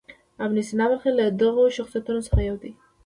ابن سینا بلخي له دغو شخصیتونو څخه یو دی.